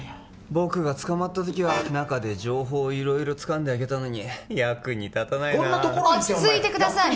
僕が捕まった時は中で情報を色々つかんであげたのに役に立たないなあこんなところに来て役に立落ち着いてください